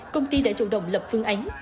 công ty đã chủ động lập phương ánh